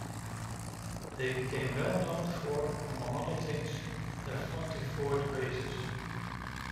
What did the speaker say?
They became well known for, among other things, their Fronty-Ford racers.